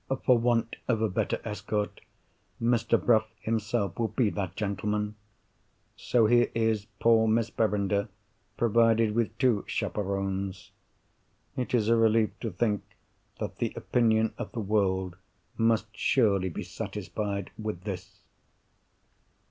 For want of a better escort, Mr. Bruff himself will be that gentleman.—So here is poor Miss Verinder provided with two "chaperones." It is a relief to think that the opinion of the world must surely be satisfied with this!